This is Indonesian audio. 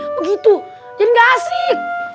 begitu dan gak asik